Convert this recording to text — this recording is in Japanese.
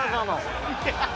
ハハハハ！